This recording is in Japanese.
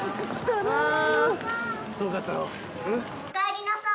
「おかえりなさい」